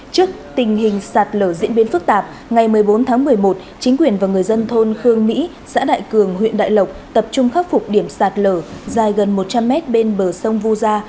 trước tình hình sạt lở diễn biến phức tạp ngày một mươi bốn tháng một mươi một chính quyền và người dân thôn khương mỹ xã đại cường huyện đại lộc tập trung khắc phục điểm sạt lở dài gần một trăm linh mét bên bờ sông vu gia